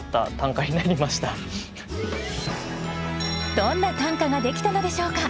どんな短歌ができたのでしょうか？